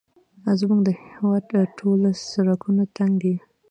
زموږ د هېواد ټوله سړکونه تنګ دي